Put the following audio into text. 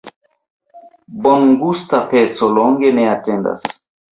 Bongusta peco longe ne atendas.